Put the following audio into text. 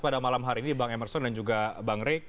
pada malam hari ini bang emerson dan juga bang rey